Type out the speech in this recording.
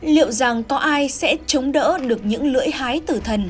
liệu rằng có ai sẽ chống đỡ được những lưỡi hái tử thần